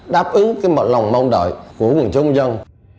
đáp ứng cái mọi lòng mong đợi của quần chúng dân